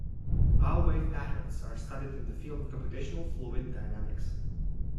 Bow wave patterns are studied in the field of computational fluid dynamics.